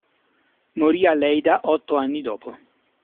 Morì a Leida otto anni dopo.